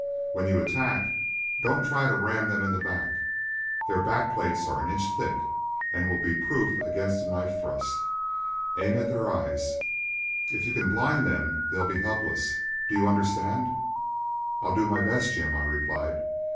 When you attack, don't try to ram them in the back; their backplates are an inch thick and will be proof against a knife thrust. Aim at their eyes; if you can blind them, they'll be helpless. Do you understand?" "I'll do my best, Jim," I replied.